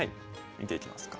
見ていきますか。